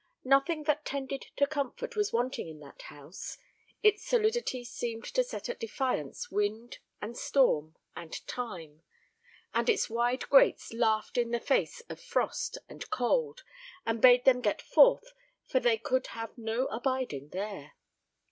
Nothing that tended to comfort was wanting in that house; its solidity seemed to set at defiance wind, and storm, and time; and its wide grates laughed in the face of frost and cold, and bade them get forth, for they could have no abiding there.